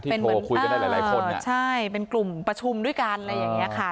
ที่โทรคุยกันได้หลายหลายคนอ่ะใช่เป็นกลุ่มประชุมด้วยกันอะไรอย่างเงี้ยค่ะ